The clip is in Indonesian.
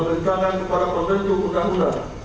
empat menyatakan kepada pembentuk undang undang